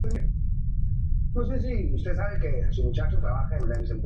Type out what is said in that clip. Las hembras suelen acercarse al agua más tarde durante el día que los machos.